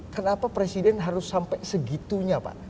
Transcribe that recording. kenapa presiden harus sampai segitunya pak